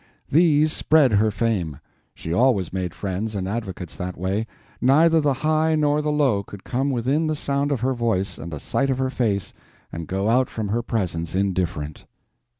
These spread her fame. She always made friends and advocates that way; neither the high nor the low could come within the sound of her voice and the sight of her face and go out from her presence indifferent.